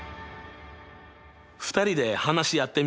２人で話し合ってみよう。